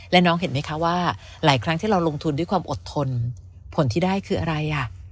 และน้องเห็นไหมคะว่าหลายครั้งที่เราลงทุนด้วยความอดทนผลที่ได้คืออะไรอ่ะ